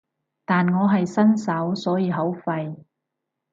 但我係新手所以好廢